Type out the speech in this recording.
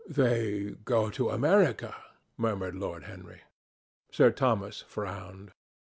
"They go to America," murmured Lord Henry. Sir Thomas frowned.